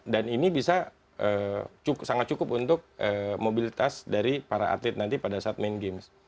dan ini bisa sangat cukup untuk mobilitas dari para atlet nanti pada saat main games